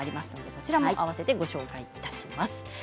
こちらもあわせてご紹介します。